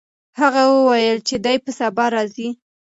هغه وویل چې دی به سبا راځي.